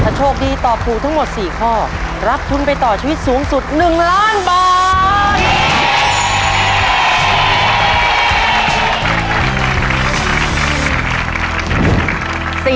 โชคดีตอบถูกทั้งหมด๔ข้อรับทุนไปต่อชีวิตสูงสุด๑ล้านบาท